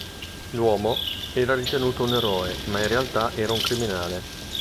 L'uomo era ritenuto un eroe ma in realtà era un criminale.